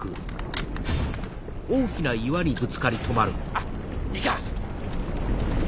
あっいかん！